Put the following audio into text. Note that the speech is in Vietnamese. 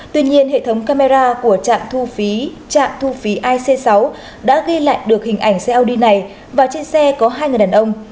tuy nhiên hệ thống camera của trạm thu phí ic sáu đã ghi lại được hình ảnh xe audi này và trên xe có hai người đàn ông